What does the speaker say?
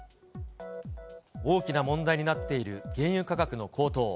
大きな問題になっている原油価格の高騰。